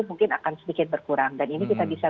mungkin akan sedikit berkurang dan ini kita bisa